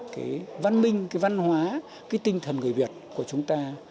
cái văn minh cái văn hóa cái tinh thần người việt của chúng ta